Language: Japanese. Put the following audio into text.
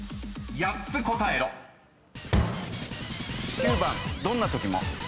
９番どんなときも。。